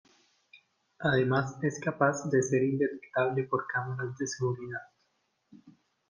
Además es capaz de ser indetectable por cámaras de seguridad.